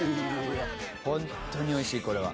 本当においしい、これは。